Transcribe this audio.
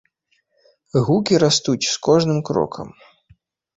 Гукі растуць з кожным крокам.